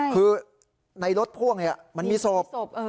คือในรถพ่วงมันมีศพ